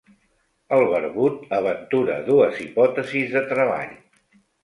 El barbut aventura dues hipòtesis de treball.